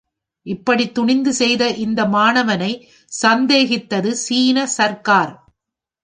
இப்படித் துணிந்து செய்த இந்த மாணவனைச் சந்தேகித்தது சீன சர்க்கார்.